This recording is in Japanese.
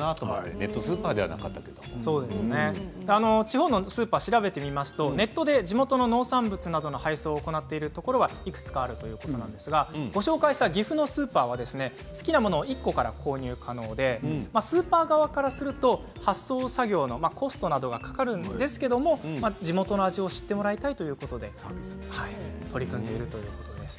ネットスーパーでは地方のスーパーを調べるとネットで地元の農産物などの配送を行っているところはいくつかあるということなんですがご紹介した岐阜のスーパーは好きなものを１個から購入可能でスーパー側からすると発送作業などコストがかかるんですけれど地元の味を知ってもらいたいということで取り組んでいるということですね。